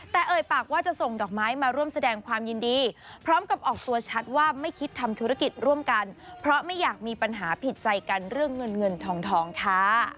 แต่เอ่ยปากว่าจะส่งดอกไม้มาร่วมแสดงความยินดีพร้อมกับออกตัวชัดว่าไม่คิดทำธุรกิจร่วมกันเพราะไม่อยากมีปัญหาผิดใจกันเรื่องเงินเงินทองค่ะ